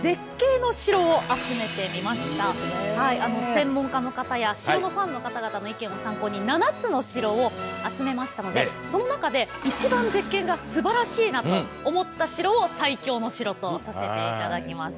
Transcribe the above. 専門家の方や城のファンの方々の意見を参考に７つの城を集めましたのでその中で一番絶景がすばらしいなと思った城を最強の城とさせて頂きます。